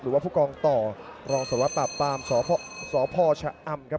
หรือว่าผู้กองต่อรองสวรรค์ปรับปรามสพชอัมครับ